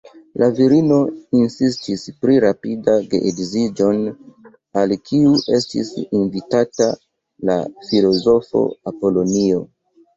La virino insistis pri rapida geedziĝon, al kiu estis invitata la filozofo Apolonio.